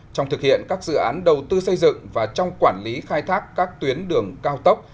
trong thực hiện các dự án đầu tư xây dựng và trong quản lý khai thác các tuyến đường cao tốc